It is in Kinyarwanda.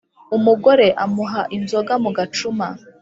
Umugore amuha inzoga mu gacuma